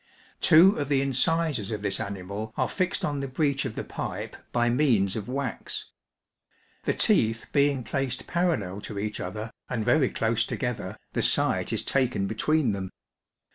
Two of the incisors of this animal are fixed on the breech of the pipe by means of wax. The teeth being placed parallel to each other, and very close together, the sight is taken between them.